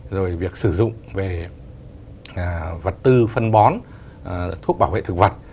rồi việc sử dụng về vật tư phân bón thuốc bảo vệ thực vật